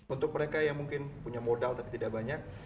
untuk mereka yang mungkin punya modal tapi tidak banyak